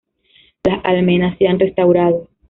Las almenas se has restaurado.